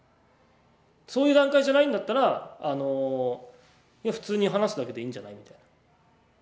そういう段階じゃないんだったら普通に話すだけでいいんじゃないみたいな。